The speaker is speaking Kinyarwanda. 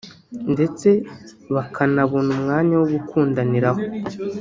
ndetse bakanabona umwanya wo gukundaniraho